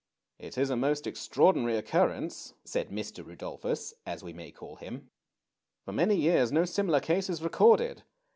It is a most extraordinary occurrence," said Mr. Rudolphus, as we may call him. For many years no similar case is recorded.